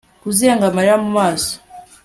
kuzenga amarira mumaso